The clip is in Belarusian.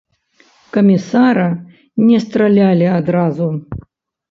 Камісара не стралялі адразу.